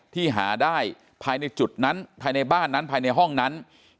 ที่หาได้ภายในจุดนั้นภายในบ้านนั้นภายในห้องนั้น